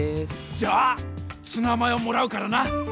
じゃあツナマヨもらうからな！